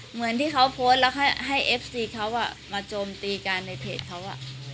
เหมือนที่เขาโพสต์แล้วให้เอฟซีเขามาโจมตีกันในเพจเขา